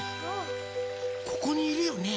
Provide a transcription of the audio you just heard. ここにいるよね？